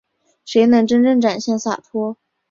谁能真正展现洒脱